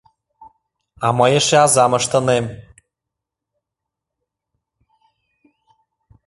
А мый эше азам ыштынем.